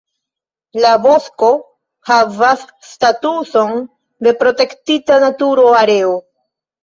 La bosko havas statuson de protektita natura areo.